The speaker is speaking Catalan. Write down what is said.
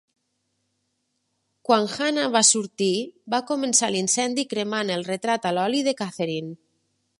Quan Hannah va sortir, va començar l'incendi cremant el retrat a l'oli de Catherine.